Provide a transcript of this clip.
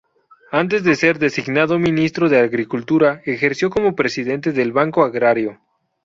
Antes de ser designado ministro de Agricultura ejerció como presidente del Banco Agrario.